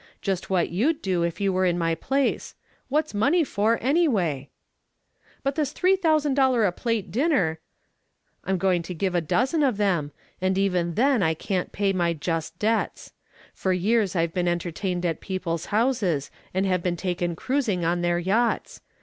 Just what you'd do if you were in my place. What's money for, anyway?" "But this $3,000 a plate dinner " "I'm going to give a dozen of them, and even then I can't pay my just debts. For years I've been entertained at people's houses and have been taken cruising on their yachts.